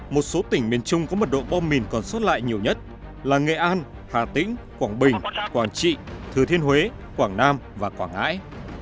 một số tỉnh miền trung có mật độ bom mìn còn sót lại nhiều nhất là nghệ an hà tĩnh quảng bình quảng trị thừa thiên huế quảng nam và quảng ngãi